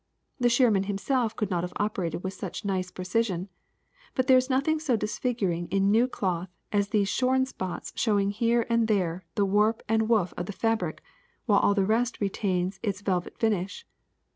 The shearman himself could not have operated with such nice precision. But there is noth ing so disfiguring in new cloth as these shorn spots showing here and there the warp and woof of the fabric, while all the rest retains its vel vet finish.